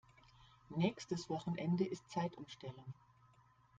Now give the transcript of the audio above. Nächstes Wochenende ist Zeitumstellung.